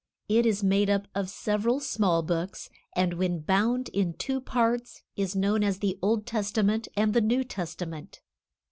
It is made up of several small books, and when bound in two parts is known as the Old Testament and the New Testament.